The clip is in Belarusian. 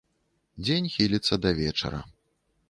Дзень хіліцца да вечара.